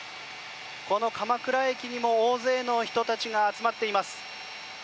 この鎌倉駅にも大勢の人たちが集まっています。